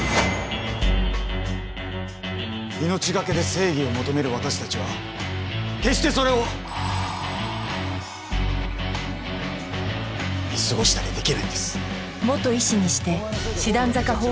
命懸けで正義を求める私たちは決してそれを見過ごしたりできないんです。